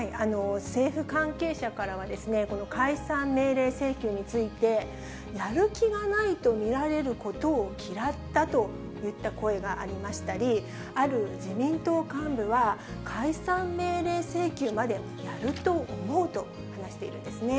政府関係者からは、この解散命令請求について、やる気がないと見られることを嫌ったといった声がありましたり、ある自民党幹部は、解散命令請求までやると思うと話しているんですね。